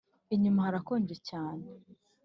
inyuma hrakonje cyane